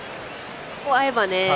ここが合えばね。